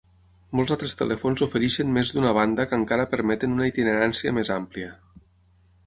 Molts altres telèfons ofereixen més d'una banda que encara permeten una itinerància més àmplia.